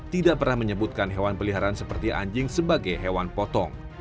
tidak pernah menyebutkan hewan peliharaan seperti anjing sebagai hewan potong